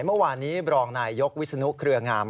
เมื่อวานนี้บรองนายยกวิศนุเครืองาม